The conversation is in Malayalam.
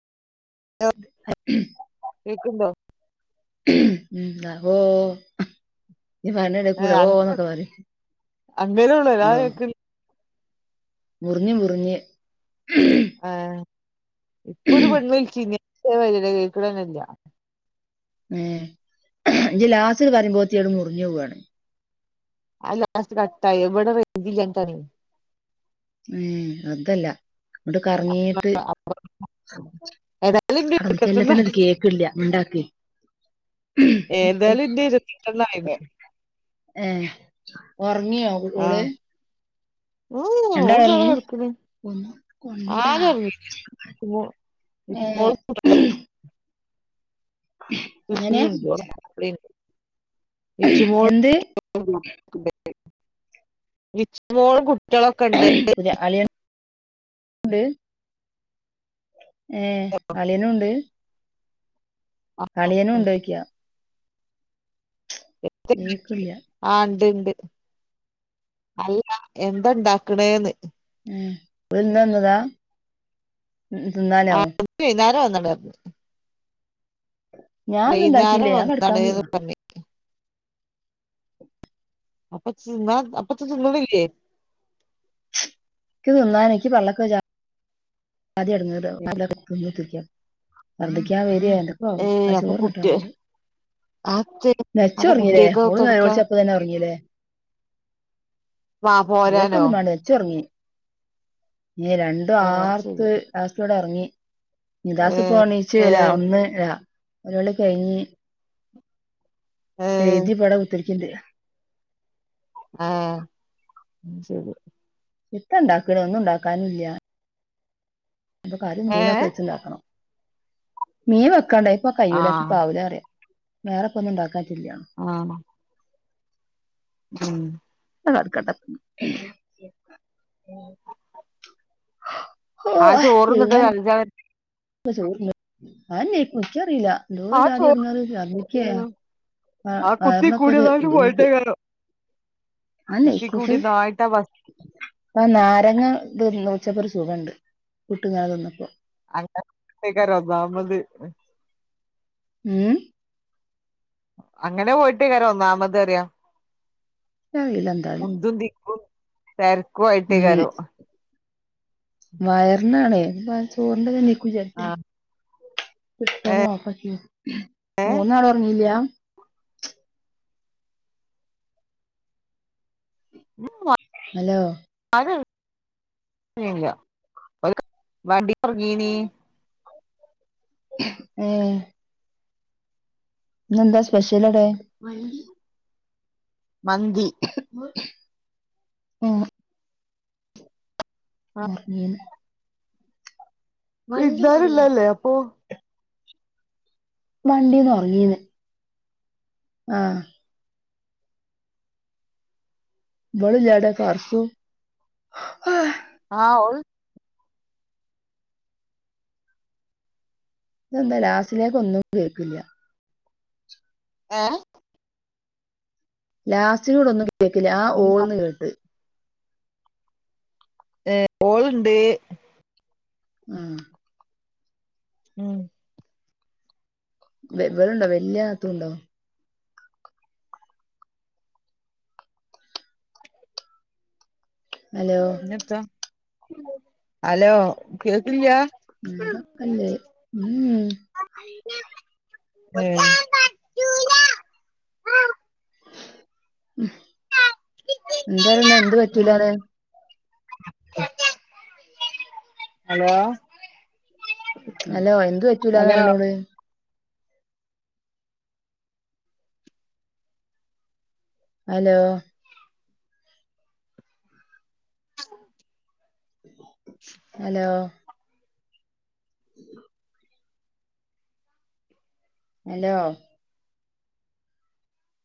ഹലോ കേക്ക്ണ്ടോ ഉം ഉം അഹോ ഈ ഏഹ് പണീഎടെകൂടെ ഓ ന്നൊക്കെ പറയും അങ്ങനെള്ളൂ അല്ലാതെ കണ്ടോ കേക്ക മുറിഞ്ഞ് മുറിഞ്ഞ് ഉം ആഹ് ഇപ്പൊ ഒരു പെണ്ണ് വിളിച്ചീനിം തെ മാറിയന്നെ കേൾക്കനെന്നെല്ല്യ. ഏ ഇജ് ലാസ്റ്റ് ന്ന് പറയുമ്പോത്തിനു അത് മുറിഞ്ഞു പോവാണ് ആ ലാസ്റ്റ് കട്ടായി ഇബടെ റേഞ്ച് ഇല്ലായി ഞ്ഞിട്ടാണെയ് ഉം അതല്ല ഇങ്ങട്ട് കറങ്ങീട്ട് ഏതായാലും ഇന്റെ അല്ലെങ്കി ഇരുപത്തെട്ടെണ്ണം തന്നെ ഇത് കേൾക്കില്ല മുണ്ടാക്ക് ഏതായാലും ഇന്റെ ഇരത്തികൊന്നായേക്ക് ഏഹ് ഒറങ്ങിയോ ഓള് ഓഹ് രണ്ടാളും ഓൾതാ ഇവടെ ഉറങ്ങി കിടക്കണ് ഒന്ന് കൊണ്ടാ ആരും ഒറങ്ങീട്ടി ഇപ്പോൾ ഏഹ് ഇങ്ങനെ വിച്ചുമോൾ വിച്ചുമോൾ കുട്ടി കുട്ട്യോളൊക്കെ ഇണ്ട് ന്ത് ഏഹ് അളിയനൂണ്ട് അളിയനും ഉണ്ടോയ്ക്ക്യാ കേക്കില്ല ആ ഇണ്ട് അല്ല എന്താ ഇണ്ടാക്ക്ണേന്ന് ഉം ഓൽ ഇന്ന് വാന്നതാ തിന്നാനോ ന്നാ വന്നത് ഞാനൊന്നും ഉണ്ടാക്കിയില്ല വൈന്നേരം ഞാൻ കെടക്കാൻ വന്നതാണ് പോവാ പറഞ്ഞിത് അപ്പത്ത അപ്പത്തും തിന്ന് ണിലെ ക്ക് തിന്നാൻ ഇക്ക് പള്ളക്ക് വജ്ജാ ആദ്യം ഇടങ്ങേറാവും തിന്നകുത്തിരിക്ക ശർദിക്കാൻ വരെ പ്പ ഏ ആ അപ്പൊ ചോറ്ന്നിട്ടാ കുട്ടി തോന്നണ്ട് ആ ചെ അപ്പൊ നച്ചറങ്ങില്ലേ കുട്ടിയക്ക് ഓൽ തൊടുക്ക നേലോലിച്ചു അപ്പൊ തന്നെ ഉറങ്ങില്ലേ വാ ഓൾക്ക് പോരാനോ ഒന്നും വാണ്ട നച്ചു റുങ്ങി ഏഹ് രണ്ടു ഏ ആർ ശരി ലാസ്റ്റ് ഇറങ്ങി ഏ നിദാസ്പ്പോണിച്ചു ഏ വെര ഓണന്ന് വെര നേലോളി കഴിഞ്ഞു ഏ എഴുതിപ്പോ വിടെ കുത്തിരിക്കണ്ട് ആ മ് ശരി എത്ത ഇണ്ടാക്കണ് ഒന്നും ഉണ്ടാക്കാനൂല്ല ഇപ്പൊ കരി ഏ മീനൊക്കെ വെചച്ച് ണ്ടാക്കണം മീൻ വെക്കണ്ടേ പ്പൊ ആ കയ്യൂല പ്പോ ഇന്ക് ആവൂലറിയ വേറെപ്പൊന്നുംണ്ടാക്കാൻ ആ ഉം കെടക്കട്ടെ ആ ചോറ്ന്നിട്ട് അഞ്ച ചോർന്നിട്ട് അയന്നെക്കും ഇൻക്കറീല എന്തോ ഒരു ആ ജാതി ചോറ് എടങ്ങേറ് ഛർദിക്കെ ഉം ആ കുത്തി വയറിനോക്കെ ഒരു കൂടിയതായിട്ട് ബുദ്ധിമുട്ട് പോയിട്ടേക്കാരം കുത്തി അതന്നേക്കും കൂടിയതായിട്ട വസ് ആ നാരങ്ങ ഇ നോച്ചപ്പോ ഒരു സുഖുണ്ട് ഉപ്പ് ട്ട് ങ്ങനെ തിന്നപ്പോ അതൊക്കെയിക്കാരം ഒന്നാമത് ഉം അങ്ങനെ പോയിട്ടേക്കരം ഒന്നാമത് അറിയ ഇച്ചറിയില്ല എന്താന്ന് ഒധും ദിക്ക തേര്ക്കും ആയിട്ടേക്കാരം വയറിനാണ് ഇപ്പൊ ആ ചോറിന്റെ തന്നെക്കും ആ ഏ മൂന്ന് നാൾ ഉറങ്ങില്ല [unintelligible] ഹലോ [unintelligible] ആ ഇന്നെന്താ സ്പെഷ്യൽ അടെ മന്തി മ്മ് [unintelligible] വണ്ടി പെരുന്നാള് മറിയെ ഇന്നല്ലേ, അപ്പൊ വണ്ടിന്ന് ഉറങ്ങീന്ന് ആ മോള് ജാട കർസും ആ, ഓ എന്താ ലാസ്റ്റിലേക്ക് ഒന്നും കേക്കില്ല. ഏ ലാസ്റ്റിനോട് ഒന്നും കേക്കില്ല, ആ ഓന്ന് കേട്ട്. ഏ, ഓൾ ണ്ട് ഉം ഉം വെമ്പലുണ്ടോ വല്ലിയാത്തുണ്ടോ. ഹലോ പിന്നെന്താ ഹലോ കേക്കില്ല അല്ലേ ഉം ആ ഉം, എന്താ പറണെ, എന്ത് പറ്റൂലന്ന് ഹലോ ഹലോ എന്ത് പറ്റൂലന്ന് ഹലോ പറയണത് ഹലോ ഹലോ [unintelligible] ഹലോ